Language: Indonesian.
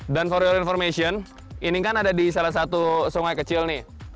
dan for your information ini kan ada di salah satu sungai kecil nih